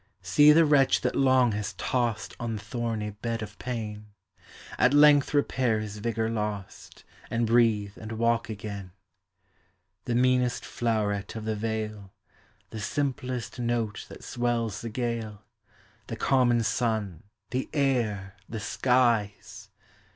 See the wretch that long has tost On the thorny bed of pain. At length repair his vigor lost And breathe and walk again : The meanest llowerel of the vale. The simplest note lliai swells the gale, The common sun, the air, the skies.